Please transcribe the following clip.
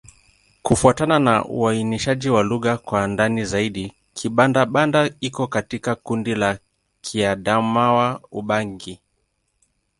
Kufuatana na uainishaji wa lugha kwa ndani zaidi, Kibanda-Banda iko katika kundi la Kiadamawa-Ubangi.